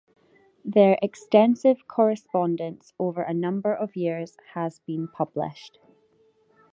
Their extensive correspondence over a number of years has been published.